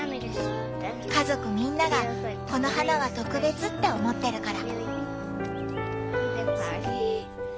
家族みんながこの花は特別って思ってるから。